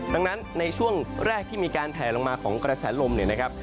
ดังนั้นในช่วงแรกที่มีการแผลลงมาของกระแสลมเนี่ยนะครับ